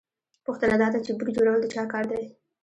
پوښتنه دا ده چې بوټ جوړول د چا کار دی